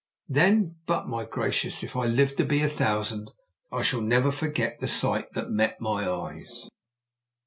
Then but, my gracious! if I live to be a thousand I shall never forget the sight that met my eyes.